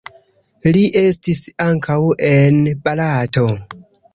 Li estis ankaŭ en Barato.